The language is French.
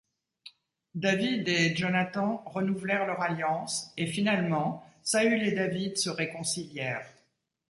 David et Jonathan renouvelèrent leur alliance, et finalement Saül et David se réconcilièrent.